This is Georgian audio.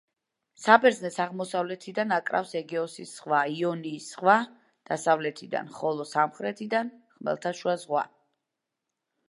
საბერძნეთს აღმოსავლეთიდან აკრავს ეგეოსის ზღვა, იონიის ზღვა დასავლეთიდან, ხოლო სამხრეთიდან ხმელთაშუა ზღვა.